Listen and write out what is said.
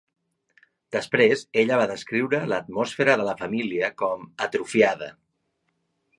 Després ella va descriure l'atmosfera de la família com "atrofiada".